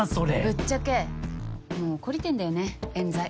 ぶっちゃけもう懲りてんだよねえん罪。